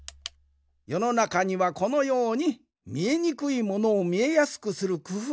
よのなかにはこのようにみえにくいものをみえやすくするくふうがいろいろあるんじゃ。